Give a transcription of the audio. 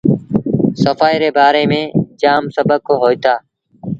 سڦآئيٚ ري بآري ميݩ جآم سبڪ هوئيٚتآ۔